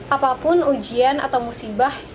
apapun ujian atau musibah